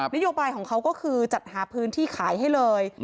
นโยบายของเขาก็คือจัดหาพื้นที่ขายให้เลย